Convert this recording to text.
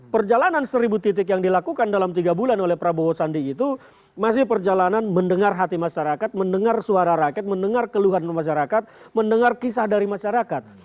perjalanan seribu titik yang dilakukan dalam tiga bulan oleh prabowo sandi itu masih perjalanan mendengar hati masyarakat mendengar suara rakyat mendengar keluhan masyarakat mendengar kisah dari masyarakat